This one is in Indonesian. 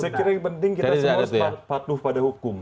sekiranya penting kita semua patuh pada hukum